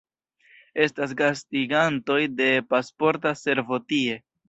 Estas gastigantoj de Pasporta Servo tie.